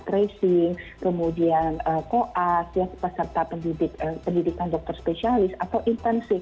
tracing kemudian koas peserta pendidikan dokter spesialis atau intensif